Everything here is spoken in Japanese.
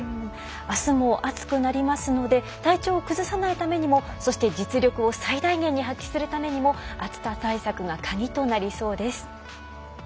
あすも暑くなりますので体調を崩さないためにもそして実力を最大限に発揮するためにも暑さ対策が鍵となりそうです。